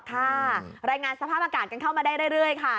รายงานสภาพอากาศกันเข้ามาได้เรื่อยค่ะ